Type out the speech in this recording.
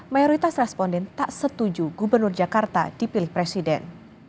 mayoritas responden tak setuju gubernur jakarta dipilih presiden